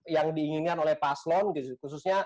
yang diinginkan oleh paslon khususnya